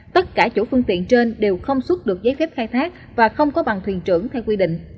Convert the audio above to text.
tất cả chủ phương tiện trên đều không xuất được giấy phép khai thác và không có bằng thuyền trưởng theo quy định